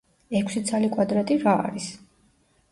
ექვსი ცალი კვადრატი რა არის?